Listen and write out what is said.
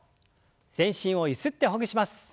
全身をゆすってほぐします。